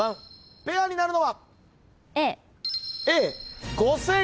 ペアになるのは？